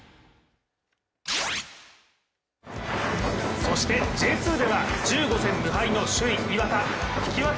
そしてＪ２では、１５戦無敗の首位・磐田引き分け